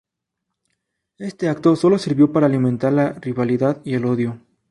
Este acto sólo sirvió para alimentar la rivalidad y el odio.